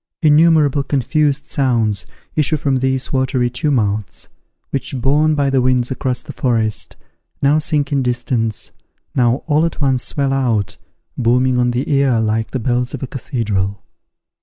Innumerable confused sounds issue from these watery tumults, which, borne by the winds across the forest, now sink in distance, now all at once swell out, booming on the ear like the bells of a cathedral.